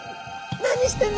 「何してんの？